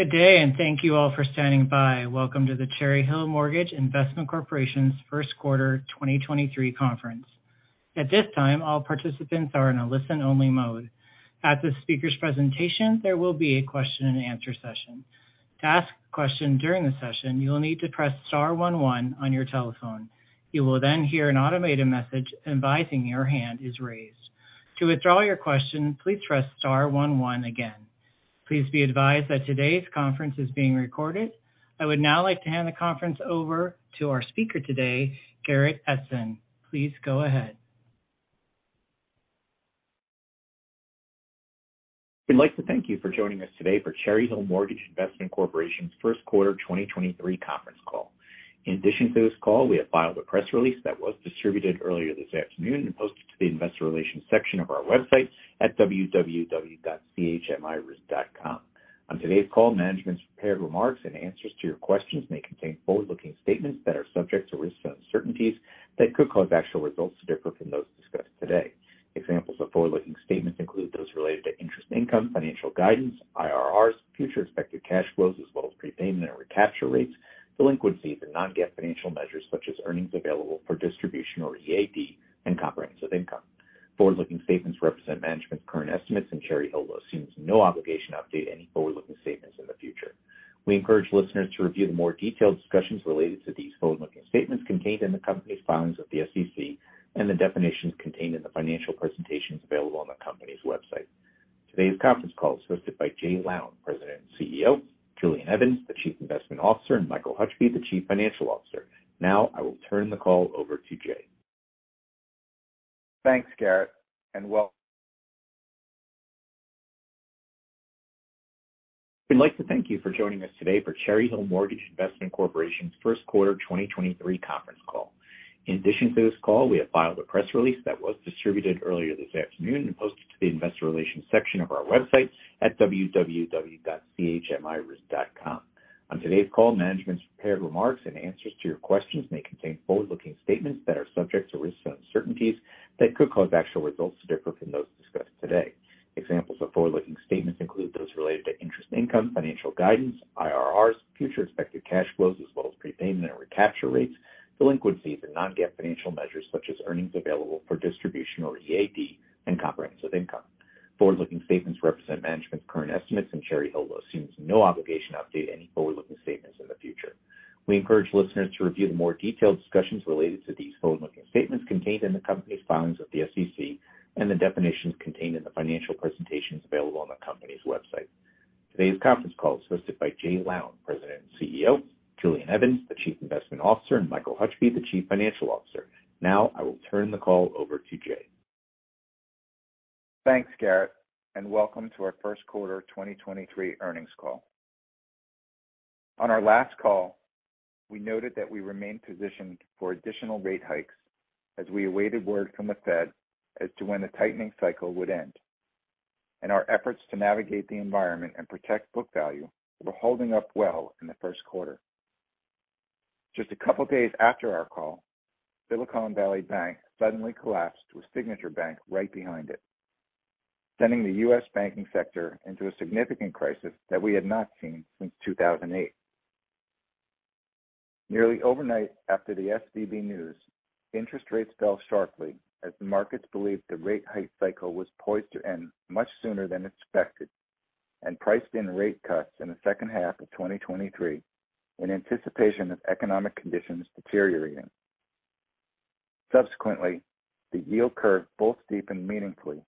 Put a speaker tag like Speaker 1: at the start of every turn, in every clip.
Speaker 1: Good day, and thank you all for standing by. Welcome to the Cherry Hill Mortgage Investment Corporation's first quarter 2023 conference. At this time, all participants are in a listen-only mode. At the speaker's presentation, there will be a question-and-answer session. To ask a question during the session, you will need to press star one one on your telephone. You will then hear an automated message advising your hand is raised. To withdraw your question, please press star one one again. Please be advised that today's conference is being recorded. I would now like to hand the conference over to our speaker today, Garrett Edson. Please go ahead.
Speaker 2: We'd like to thank you for joining us today for Cherry Hill Mortgage Investment Corporation's first quarter 2023 conference call. In addition to this call, we have filed a press release that was distributed earlier this afternoon and posted to the investor relations section of our website at www.chmireit.com. On today's call, management's prepared remarks and answers to your questions may contain forward-looking statements that are subject to risks and uncertainties that could cause actual results to differ from those discussed today. Examples of forward-looking statements include those related to interest income, financial guidance, IRRs, future expected cash flows, as well as prepayment and recapture rates, delinquencies and non-GAAP financial measures such as earnings available for distribution, or EAD, and comprehensive income. Forward-looking statements represent management's current estimates. Cherry Hill assumes no obligation to update any forward-looking statements in the future. We encourage listeners to review the more detailed discussions related to these forward-looking statements contained in the company's filings with the SEC and the definitions contained in the financial presentations available on the company's website. Today's conference call is hosted by Jay Lown, President and CEO, Julian Evans, the Chief Investment Officer, and Michael Hutchby, the Chief Financial Officer. I will turn the call over to Jay.
Speaker 3: Thanks, Garrett, and welcome to our first quarter 2023 earnings call. On our last call, we noted that we remained positioned for additional rate hikes as we awaited word from the Fed as to when the tightening cycle would end. Our efforts to navigate the environment and protect book value were holding up well in the first quarter. Just a couple days after our call, Silicon Valley Bank suddenly collapsed with Signature Bank right behind it, sending the U.S. banking sector into a significant crisis that we had not seen since 2008. Nearly overnight after the SVB news, interest rates fell sharply as the markets believed the rate hike cycle was poised to end much sooner than expected and priced in rate cuts in the second half of 2023 in anticipation of economic conditions deteriorating. Subsequently, the yield curve bull steepened meaningfully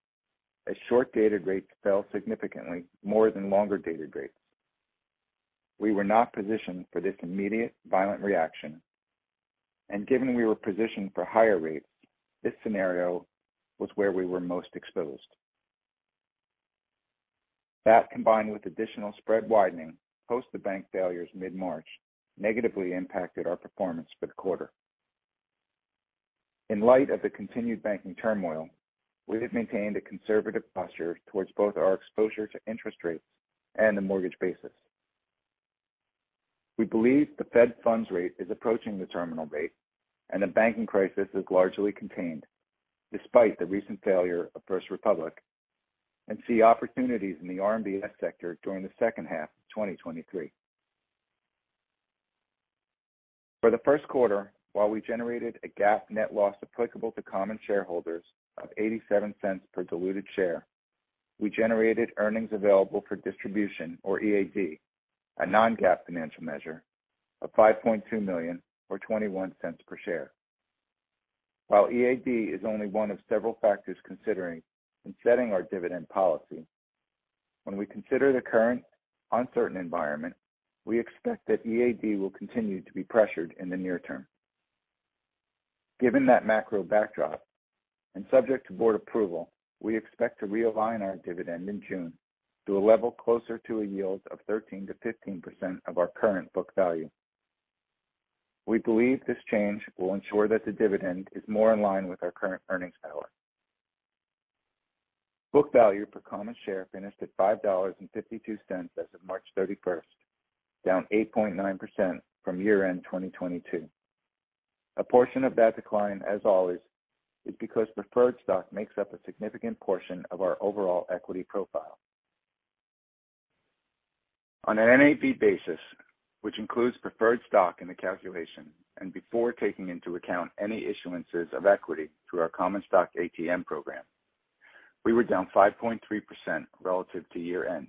Speaker 3: as short-dated rates fell significantly more than longer-dated rates. We were not positioned for this immediate violent reaction. Given we were positioned for higher rates, this scenario was where we were most exposed. That, combined with additional spread widening post the bank failures mid-March, negatively impacted our performance for the quarter. In light of the continued banking turmoil, we have maintained a conservative posture towards both our exposure to interest rates and the mortgage basis. We believe the Fed funds rate is approaching the terminal rate and the banking crisis is largely contained, despite the recent failure of First Republic, and see opportunities in the RMBS sector during the second half of 2023. For the first quarter, while we generated a GAAP net loss applicable to common shareholders of $0.87 per diluted share, we generated earnings available for distribution, or EAD, a non-GAAP financial measure of $5.2 million or $0.21 per share. While EAD is only one of several factors considering in setting our dividend policy, when we consider the current uncertain environment, we expect that EAD will continue to be pressured in the near term. Given that macro backdrop, subject to board approval, we expect to realign our dividend in June to a level closer to a yield of 13%-15% of our current book value. We believe this change will ensure that the dividend is more in line with our current earnings power. Book value per common share finished at $5.52 as of March 31st, down 8.9% from year-end 2022. A portion of that decline, as always, is because preferred stock makes up a significant portion of our overall equity profile. On an NAV basis, which includes preferred stock in the calculation and before taking into account any issuances of equity through our common stock ATM program, we were down 5.3% relative to year-end.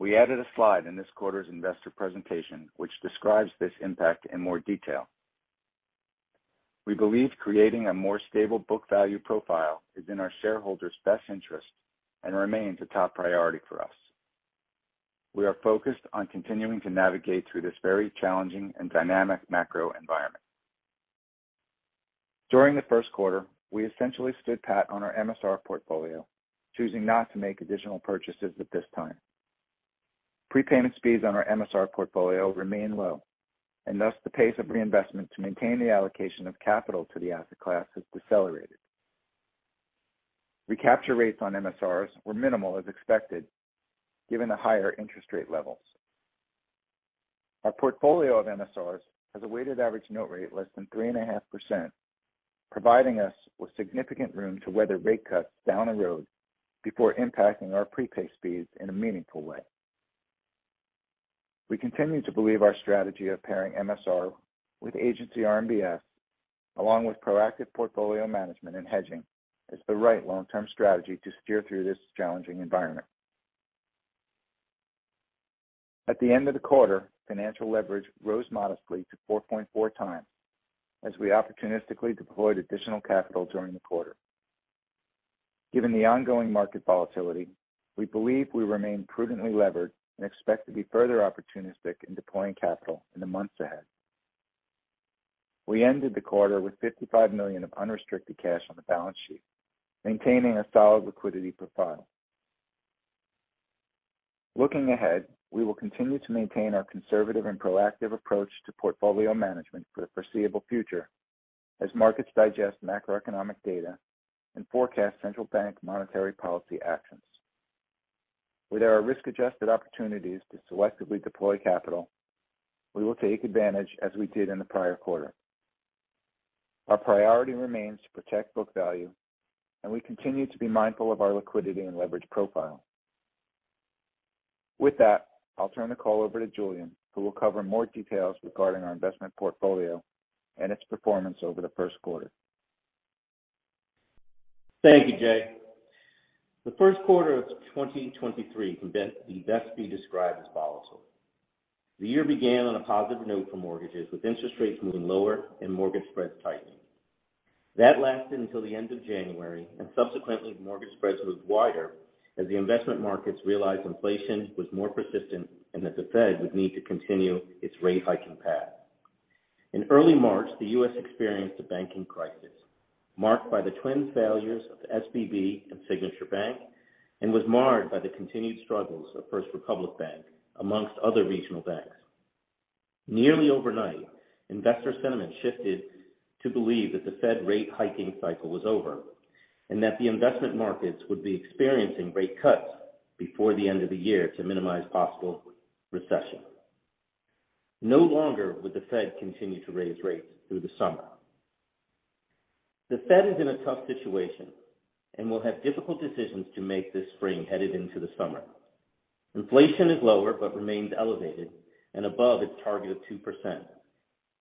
Speaker 3: We added a slide in this quarter's investor presentation which describes this impact in more detail. We believe creating a more stable book value profile is in our shareholders' best interest and remains a top priority for us. We are focused on continuing to navigate through this very challenging and dynamic macro environment. During the first quarter, we essentially stood pat on our MSR portfolio, choosing not to make additional purchases at this time. Prepayment speeds on our MSR portfolio remain low. Thus the pace of reinvestment to maintain the allocation of capital to the asset class has decelerated. Recapture rates on MSRs were minimal as expected, given the higher interest rate levels. Our portfolio of MSRs has a weighted average note rate less than 3.5%, providing us with significant room to weather rate cuts down the road before impacting our prepay speeds in a meaningful way. We continue to believe our strategy of pairing MSR with agency RMBS along with proactive portfolio management and hedging is the right long-term strategy to steer through this challenging environment. At the end of the quarter, financial leverage rose modestly to 4.4x as we opportunistically deployed additional capital during the quarter. Given the ongoing market volatility, we believe we remain prudently levered and expect to be further opportunistic in deploying capital in the months ahead. We ended the quarter with $55 million of unrestricted cash on the balance sheet, maintaining a solid liquidity profile. Looking ahead, we will continue to maintain our conservative and proactive approach to portfolio management for the foreseeable future as markets digest macroeconomic data and forecast central bank monetary policy actions. Where there are risk-adjusted opportunities to selectively deploy capital, we will take advantage as we did in the prior quarter. Our priority remains to protect book value. We continue to be mindful of our liquidity and leverage profile. I'll turn the call over to Julian, who will cover more details regarding our investment portfolio and its performance over the first quarter.
Speaker 4: Thank you, Jay. The first quarter of 2023 can best be described as volatile. The year began on a positive note for mortgages, with interest rates moving lower and mortgage spreads tightening. Subsequently, mortgage spreads moved wider as the investment markets realized inflation was more persistent and that the Fed would need to continue its rate hiking path. In early March, the U.S. experienced a banking crisis marked by the twin failures of the SVB and Signature Bank and was marred by the continued struggles of First Republic Bank amongst other regional banks. Nearly overnight, investor sentiment shifted to believe that the Fed rate hiking cycle was over and that the investment markets would be experiencing rate cuts before the end of the year to minimize possible recession. No longer would the Fed continue to raise rates through the summer. The Fed is in a tough situation and will have difficult decisions to make this spring headed into the summer. Inflation is lower but remains elevated and above its target of 2%,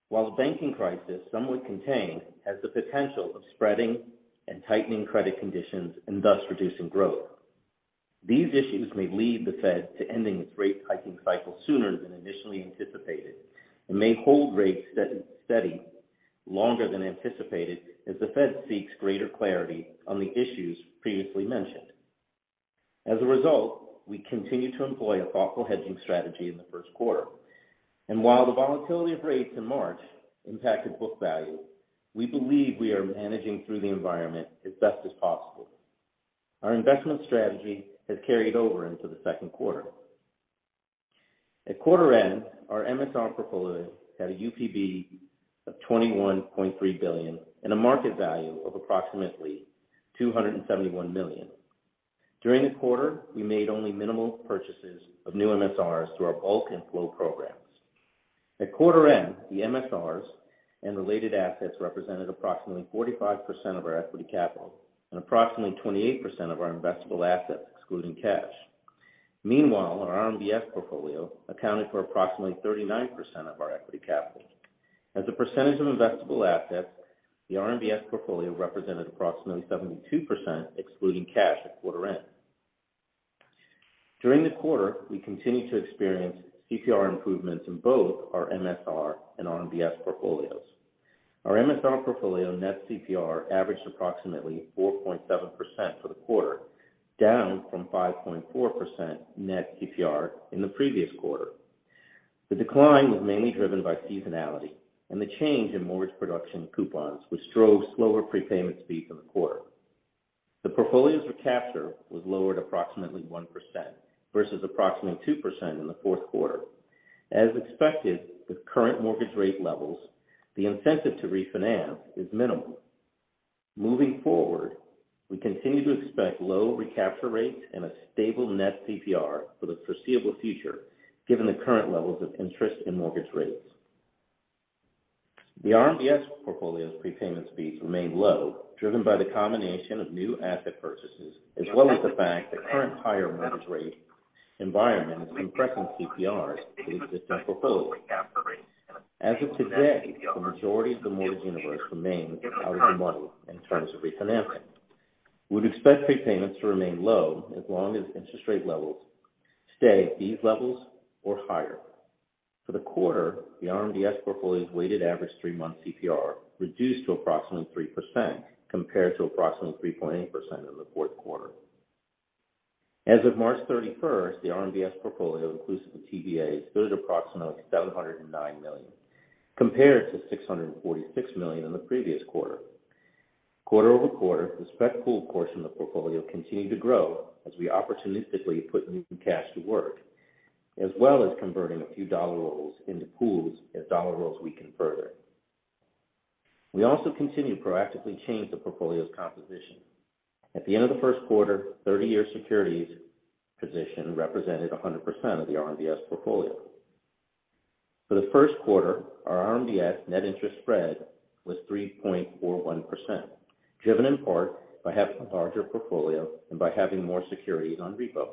Speaker 4: while the banking crisis, somewhat contained, has the potential of spreading and tightening credit conditions and thus reducing growth. These issues may lead the Fed to ending its rate hiking cycle sooner than initially anticipated and may hold rates steady longer than anticipated as the Fed seeks greater clarity on the issues previously mentioned. As a result, we continue to employ a thoughtful hedging strategy in the first quarter. While the volatility of rates in March impacted book value, we believe we are managing through the environment as best as possible. Our investment strategy has carried over into the second quarter. At quarter end, our MSR portfolio had a UPB of $21.3 billion and a market value of approximately $271 million. During the quarter, we made only minimal purchases of new MSRs through our bulk and flow programs. At quarter end, the MSRs and related assets represented approximately 45% of our equity capital and approximately 28% of our investable assets excluding cash. Meanwhile, our RMBS portfolio accounted for approximately 39% of our equity capital. As a percentage of investable assets, the RMBS portfolio represented approximately 72% excluding cash at quarter end. During the quarter, we continued to experience CPR improvements in both our MSR and RMBS portfolios. Our MSR portfolio net CPR averaged approximately 4.7% for the quarter, down from 5.4% net CPR in the previous quarter. The decline was mainly driven by seasonality and the change in mortgage production coupons, which drove slower prepayment speeds in the quarter. The portfolio's recapture was lowered approximately 1% versus approximately 2% in the fourth quarter. As expected, with current mortgage rate levels, the incentive to refinance is minimal. Moving forward, we continue to expect low recapture rates and a stable net CPR for the foreseeable future, given the current levels of interest in mortgage rates. The RMBS portfolio's prepayment speeds remain low, driven by the combination of new asset purchases, as well as the fact the current higher mortgage rate environment is compressing CPRs for the existing portfolio. As of today, the majority of the mortgage universe remains out of the money in terms of refinancing. We'd expect prepayments to remain low as long as interest rate levels stay at these levels or higher. For the quarter, the RMBS portfolio's weighted average three-month CPR reduced to approximately 3% compared to approximately 3.8% in the fourth quarter. As of March 31st, the RMBS portfolio inclusive of TBAs stood approximately $709 million, compared to $646 million in the previous quarter. Quarter-over-quarter, the spec pool portion of the portfolio continued to grow as we opportunistically put new cash to work, as well as converting a few dollar rolls into pools as dollar rolls weaken further. We also continue to proactively change the portfolio's composition. At the end of the first quarter, 30-year securities position represented 100% of the RMBS portfolio. For the first quarter, our RMBS net interest spread was 3.41%, driven in part by having a larger portfolio and by having more securities on repo.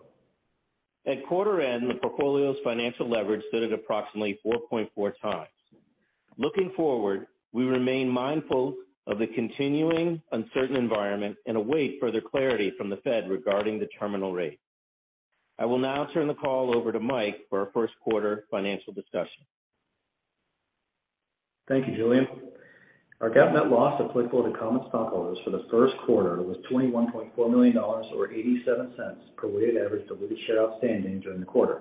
Speaker 4: At quarter end, the portfolio's financial leverage stood at approximately 4.4x. Looking forward, we remain mindful of the continuing uncertain environment and await further clarity from the Fed regarding the terminal rate. I will now turn the call over to Mike for our first quarter financial discussion.
Speaker 5: Thank you, Julian. Our GAAP net loss applicable to common stockholders for the first quarter was $21.4 million or $0.87 per weighted average diluted share outstanding during the quarter.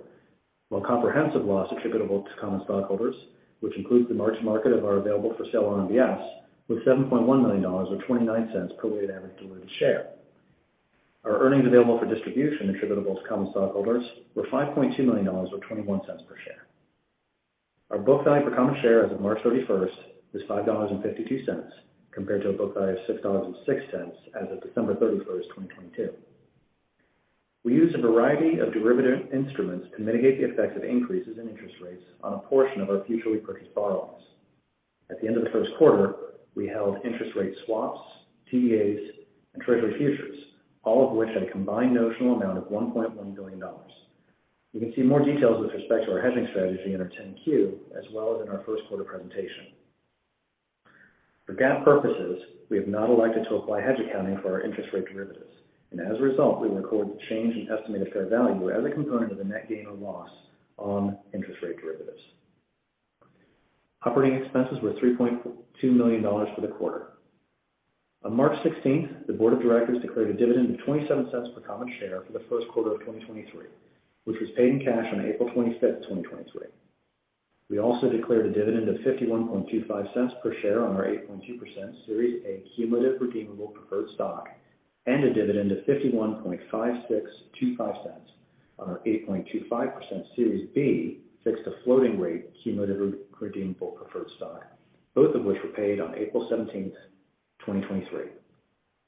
Speaker 5: While comprehensive loss attributable to common stockholders, which includes the March market of our available for sale RMBS, was $7.1 million or $0.29 per weighted average diluted share. Our earnings available for distribution attributable to common stockholders were $5.2 million or $0.21 per share. Our book value per common share as of March 31st is $5.52 compared to a book value of $6.06 as of December 31st, 2022. We use a variety of derivative instruments to mitigate the effects of increases in interest rates on a portion of our future repurchase borrowings. At the end of the first quarter, we held interest rate swaps, TBAs, and Treasury futures, all of which had a combined notional amount of $1.1 billion. You can see more details with respect to our hedging strategy in our 10-Q as well as in our first quarter presentation. For GAAP purposes, we have not elected to apply hedge accounting for our interest rate derivatives, and as a result, we record the change in estimated fair value as a component of the net gain or loss on interest rate derivatives. Operating expenses were $3.2 million for the quarter. On March 16th, the board of directors declared a dividend of $0.27 per common share for the first quarter of 2023, which was paid in cash on April 25th, 2023. We also declared a dividend of $0.5125 per share on our 8.2% Series A Cumulative Redeemable Preferred Stock and a dividend of $0.515625 on our 8.25% Series B Fixed-to-Floating Rate Cumulative Redeemable Preferred Stock, both of which were paid on April 17, 2023.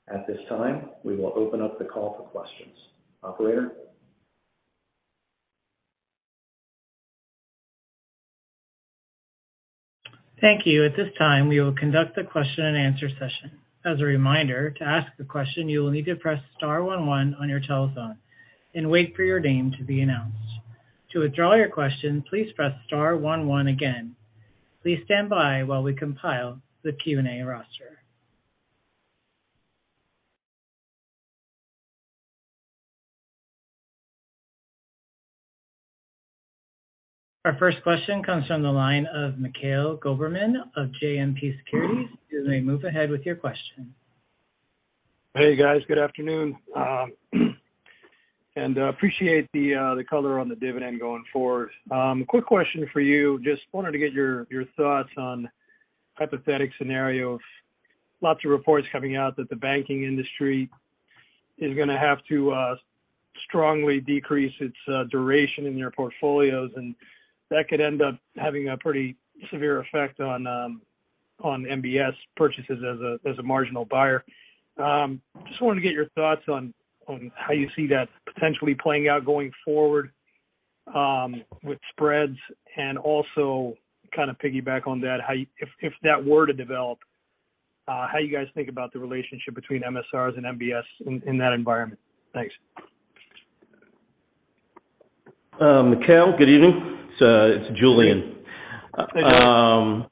Speaker 5: At this time, we will open up the call for questions. Operator?
Speaker 1: Thank you. At this time, we will conduct the question and answer session. As a reminder, to ask a question, you will need to press star one one on your telephone and wait for your name to be announced. To withdraw your question, please press star one one again. Please stand by while we compile the Q&A roster. Our first question comes from the line of Mikhail Goberman of JMP Securities. You may move ahead with your question.
Speaker 6: Hey, guys. Good afternoon. Appreciate the color on the dividend going forward. Quick question for you. Just wanted to get your thoughts on a hypothetical scenario of lots of reports coming out that the banking industry is gonna have to strongly decrease its duration in your portfolios, and that could end up having a pretty severe effect on MBS purchases as a, as a marginal buyer. Just wanted to get your thoughts on how you see that potentially playing out going forward with spreads. Also kind of piggyback on that, if that were to develop, how you guys think about the relationship between MSRs and MBS in that environment. Thanks.
Speaker 4: Mikhail, good evening. It's, it's Julian.
Speaker 6: Hey.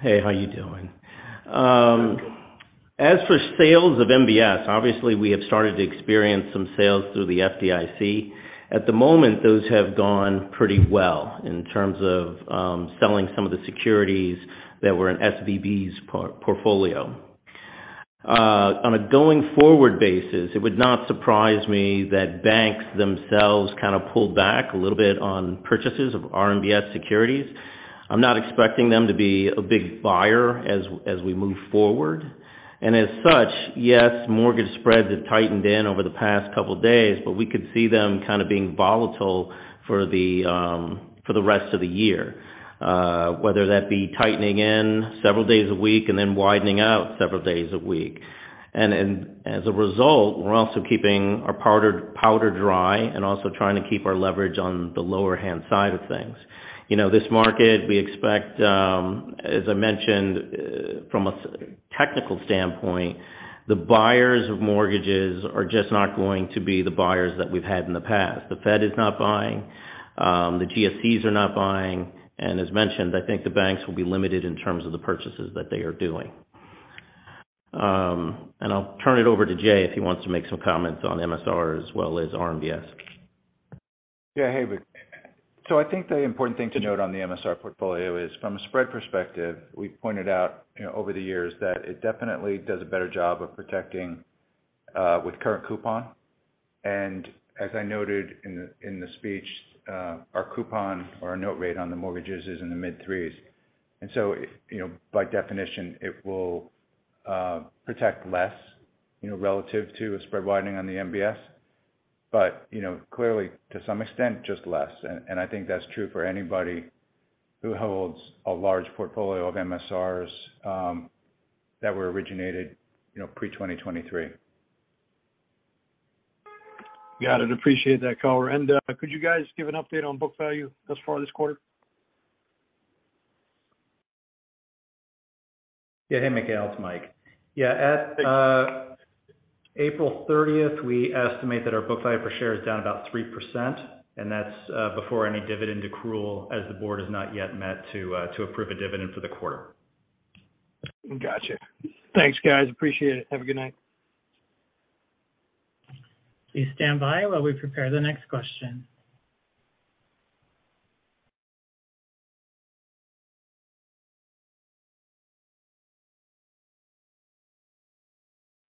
Speaker 4: Hey, how you doing? As for sales of MBS, obviously we have started to experience some sales through the FDIC. At the moment, those have gone pretty well in terms of selling some of the securities that were in SVB's portfolio. On a going forward basis, it would not surprise me that banks themselves kind of pull back a little bit on purchases of RMBS securities. I'm not expecting them to be a big buyer as we move forward. As such, yes, mortgage spreads have tightened in over the past couple days, but we could see them kind of being volatile for the rest of the year. Whether that be tightening in several days a week and then widening out several days a week. As a result, we're also keeping our powder dry and also trying to keep our leverage on the lower hand side of things. You know, this market we expect, as I mentioned, from a technical standpoint, the buyers of mortgages are just not going to be the buyers that we've had in the past. The Fed is not buying, the GSEs are not buying, and as mentioned, I think the banks will be limited in terms of the purchases that they are doing. I'll turn it over to Jay if he wants to make some comments on MSR as well as RMBS.
Speaker 3: Yeah. Hey, Mik. I think the important thing to note on the MSR portfolio is, from a spread perspective, we pointed out, you know, over the years that it definitely does a better job of protecting with current coupon. As I noted in the speech, our coupon or our note rate on the mortgages is in the mid threes. You know, by definition it will protect less, you know, relative to a spread widening on the MBS. You know, clearly, to some extent, just less. I think that's true for anybody who holds a large portfolio of MSRs that were originated, you know, pre-2023.
Speaker 6: Got it. Appreciate that color. Could you guys give an update on book value thus far this quarter? Yeah. Hey, Mikhail, it's Mike. Yeah. At April 30th, we estimate that our book value per share is down about 3%, and that's before any dividend accrual as the board has not yet met to approve a dividend for the quarter. Gotcha. Thanks, guys. Appreciate it. Have a good night.
Speaker 1: Please stand by while we prepare the next question.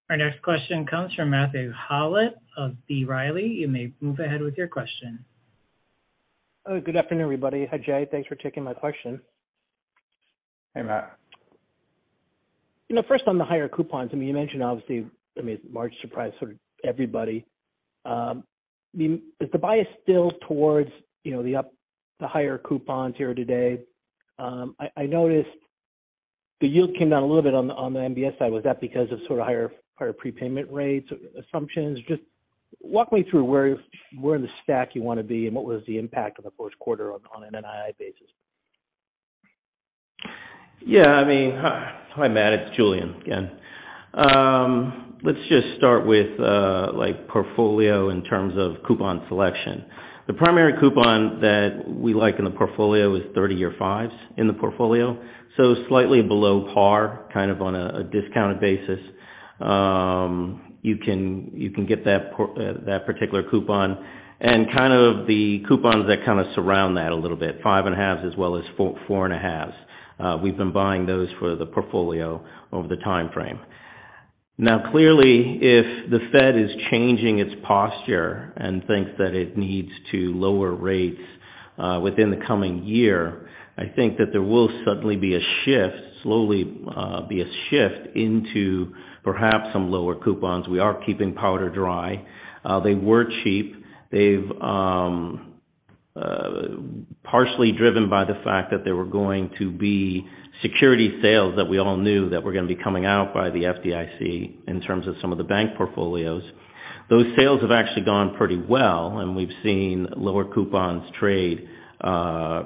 Speaker 1: Our next question comes from Matthew Howlett of B. Riley. You may move ahead with your question.
Speaker 7: Good afternoon, everybody. Hi, Jay. Thanks for taking my question.
Speaker 3: Hey, Matt.
Speaker 7: You know, first on the higher coupons, I mean, you mentioned obviously, I mean, large surprise for everybody. I mean, is the bias still towards, you know, the higher coupons here today? I noticed the yield came down a little bit on the MBS side. Was that because of sort of higher prepayment rates or assumptions? Just walk me through where in the stack you wanna be and what was the impact of the first quarter on an NII basis.
Speaker 4: Yeah, I mean, Hi, Matt. It's Julian again. Let's just start with, like, portfolio in terms of coupon selection. The primary coupon that we like in the portfolio is 30-year 5s in the portfolio, so slightly below par, kind of on a discounted basis. You can get that particular coupon and kind of the coupons that kind of surround that a little bit, 5.5s as well as 4s, 4.5s. We've been buying those for the portfolio over the timeframe. Clearly if the Fed is changing its posture and thinks that it needs to lower rates, within the coming year, I think that there will suddenly be a shift, slowly, be a shift into perhaps some lower coupons. We are keeping powder dry. They were cheap. They've partially driven by the fact that there were going to be security sales that we all knew that were gonna be coming out by the FDIC in terms of some of the bank portfolios. Those sales have actually gone pretty well, and we've seen lower coupons trade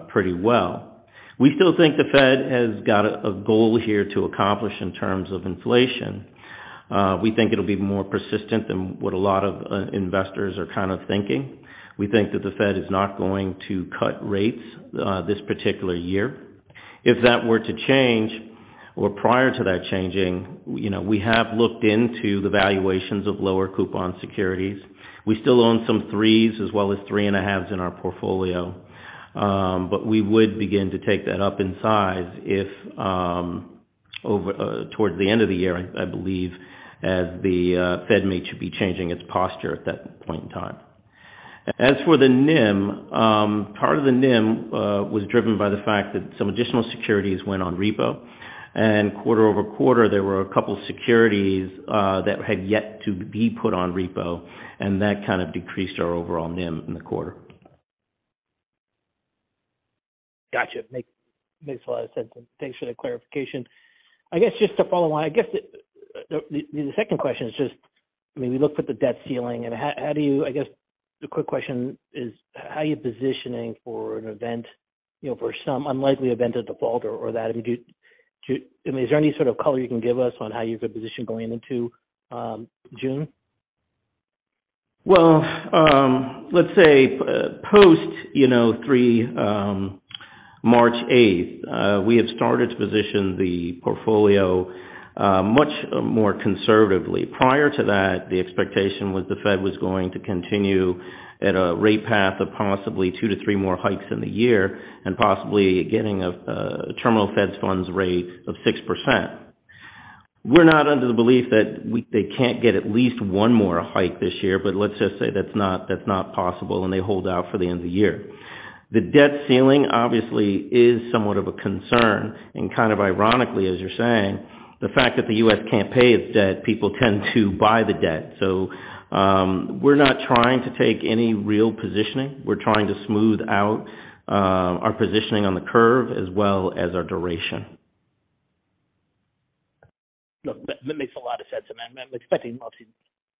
Speaker 4: pretty well. We still think the Fed has got a goal here to accomplish in terms of inflation. We think it'll be more persistent than what a lot of investors are kind of thinking. We think that the Fed is not going to cut rates this particular year. If that were to change or prior to that changing, you know, we have looked into the valuations of lower coupon securities. We still own some threes as well as three and a halves in our portfolio. We would begin to take that up in size if, over, towards the end of the year, I believe, as the Fed may be changing its posture at that point in time. As for the NIM, part of the NIM was driven by the fact that some additional securities went on repo. Quarter-over-quarter, there were a couple securities that had yet to be put on repo, and that kind of decreased our overall NIM in the quarter.
Speaker 7: Gotcha. Makes a lot of sense. Thanks for the clarification. I guess just to follow on, I guess the second question is just, I mean, we look at the debt ceiling. I guess the quick question is how are you positioning for an event, you know, for some unlikely event of default or that? I mean, is there any sort of color you can give us on how you're positioned going into June?
Speaker 4: Let's say, post, you know, three March 8th, we had started to position the portfolio much more conservatively. Prior to that, the expectation was the Fed was going to continue at a rate path of possibly two to three more hikes in the year and possibly getting a terminal Fed funds rate of 6%. We're not under the belief that they can't get at least one more hike this year, but let's just say that's not, that's not possible, and they hold out for the end of the year. The debt ceiling obviously is somewhat of a concern, and kind of ironically, as you're saying, the fact that the U.S. can't pay its debt, people tend to buy the debt. We're not trying to take any real positioning. We're trying to smooth out, our positioning on the curve as well as our duration.
Speaker 7: Look, that makes a lot of sense. I'm expecting obviously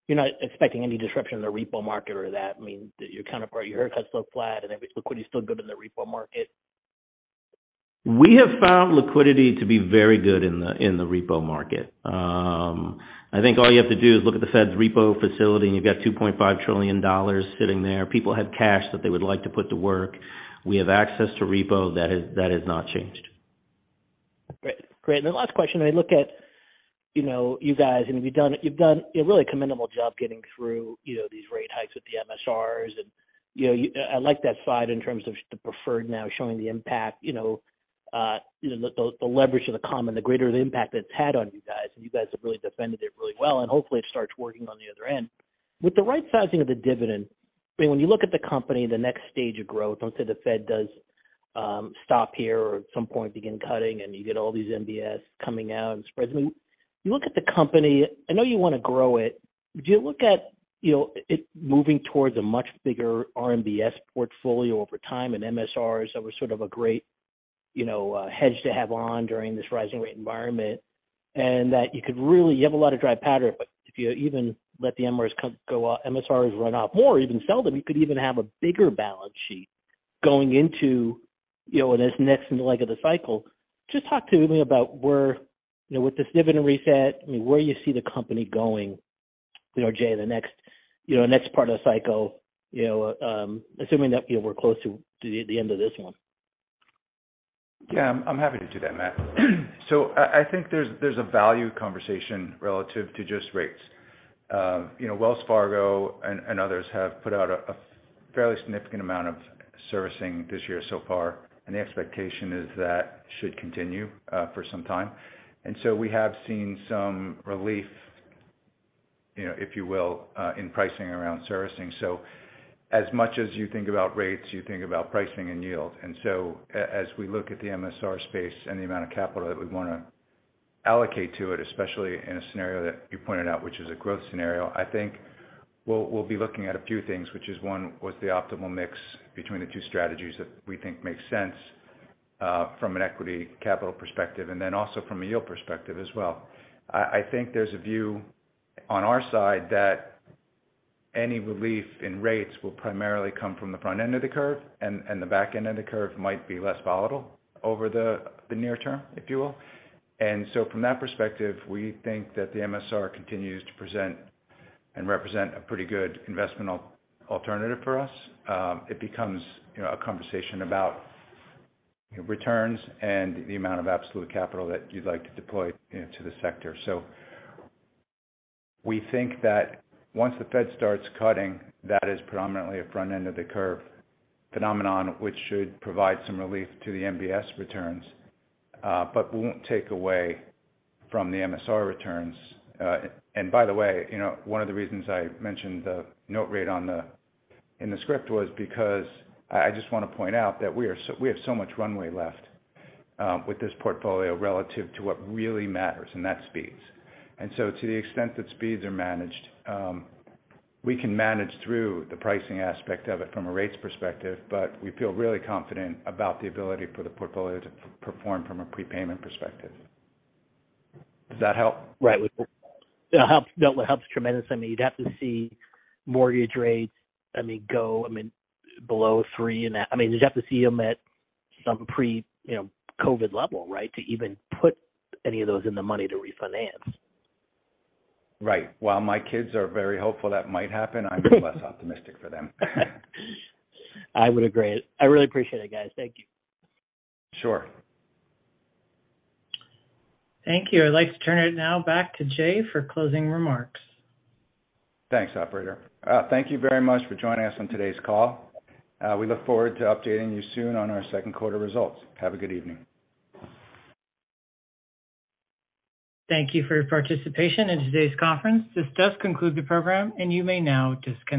Speaker 7: you're not expecting any disruption in the repo market or that? I mean, you're kind of where your haircuts look flat and every liquidity is still good in the repo market.
Speaker 4: We have found liquidity to be very good in the repo market. I think all you have to do is look at the Fed's repo facility, you've got $2.5 trillion sitting there. People have cash that they would like to put to work. We have access to repo that has not changed.
Speaker 7: Great. Great. The last question, I look at, you know, you guys and you've done a really commendable job getting through, you know, these rate hikes with the MSRs. I like that slide in terms of the preferred now showing the impact, you know, the leverage of the common, the greater the impact it's had on you guys. You guys have really defended it really well. Hopefully it starts working on the other end. With the right sizing of the dividend, I mean, when you look at the company, the next stage of growth, let's say the Fed does stop here or at some point begin cutting and you get all these MBS coming out and spreads. I mean, you look at the company, I know you wanna grow it. Would you look at, you know, it moving towards a much bigger RMBS portfolio over time and MSRs that were sort of a great, you know, hedge to have on during this rising rate environment, and that you could really have a lot of dry powder, but if you even let the MSRs go up, MSRs run up more or even sell them, you could even have a bigger balance sheet going into, you know, this next leg of the cycle. Just talk to me about where, you know, with this dividend reset, I mean, where you see the company going, you know, Jay, the next, you know, next part of the cycle, you know, assuming that, you know, we're close to the end of this one.
Speaker 3: Yeah, I'm happy to do that, Matt. I think there's a value conversation relative to just rates. You know, Wells Fargo and others have put out a fairly significant amount of servicing this year so far, and the expectation is that should continue for some time. We have seen some relief, you know, if you will, in pricing around servicing. As much as you think about rates, you think about pricing and yield. As we look at the MSR space and the amount of capital that we wanna allocate to it, especially in a scenario that you pointed out, which is a growth scenario, I think we'll be looking at a few things, which is one, what's the optimal mix between the two strategies that we think makes sense from an equity capital perspective, and then also from a yield perspective as well. I think there's a view on our side that any relief in rates will primarily come from the front end of the curve, and the back end of the curve might be less volatile over the near term, if you will. From that perspective, we think that the MSR continues to present and represent a pretty good investment alternative for us. It becomes, you know, a conversation about returns and the amount of absolute capital that you'd like to deploy into the sector. We think that once the Fed starts cutting, that is predominantly a front end of the curve phenomenon, which should provide some relief to the MBS returns, but won't take away from the MSR returns. By the way, you know, one of the reasons I mentioned the note rate in the script was because I just wanna point out that we have so much runway left with this portfolio relative to what really matters, and that's speeds. To the extent that speeds are managed, we can manage through the pricing aspect of it from a rates perspective, but we feel really confident about the ability for the portfolio to perform from a prepayment perspective. Does that help?
Speaker 7: Right. It'll help. It helps tremendously. I mean, you'd have to see mortgage rates, I mean, go, I mean, below three. I mean, you'd have to see them at some pre, you know, COVID level, right? To even put any of those in the money to refinance.
Speaker 3: Right. While my kids are very hopeful that might happen, I'm a bit less optimistic for them.
Speaker 7: I would agree. I really appreciate it, guys. Thank you.
Speaker 3: Sure.
Speaker 1: Thank you. I'd like to turn it now back to Jay for closing remarks.
Speaker 3: Thanks, operator. Thank you very much for joining us on today's call. We look forward to updating you soon on our second quarter results. Have a good evening.
Speaker 1: Thank you for your participation in today's conference. This does conclude the program, and you may now disconnect.